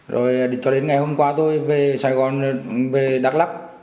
rồi cho đến ngày hôm qua tôi về sài gòn về đắk lắc